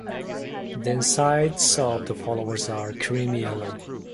The insides of the flowers are creamy yellow.